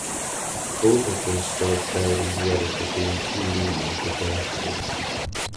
Both of them start doubting the other for being too lenient with their exes.